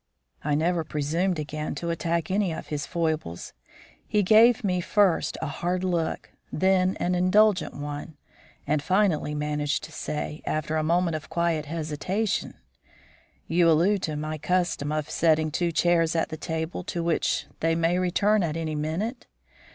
I never presumed again to attack any of his foibles. He gave me first a hard look, then an indulgent one, and finally managed to say, after a moment of quiet hesitation: "You allude to my custom of setting two chairs at the table to which they may return at any minute?